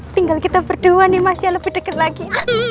tinggal kita berdua nih mas ya lebih dekat lagi